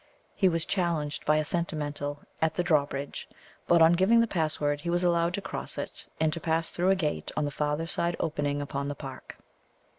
He was challenged by a sentinel at the drawbridge, but on giving the password he was allowed to cross it, and to pass through a gate on the farther side opening upon the park.